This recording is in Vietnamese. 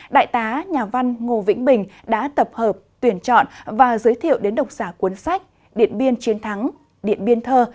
đại tá nhà văn ngô vĩnh bình đã tập hợp tuyển chọn và giới thiệu đến độc giả cuốn sách điện biên chiến thắng điện biên thơ